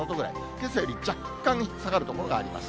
けさより若干下がる所があります。